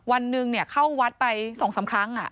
วันหนึ่งเนี่ยเข้าวัดไปสองสามครั้งอ่ะ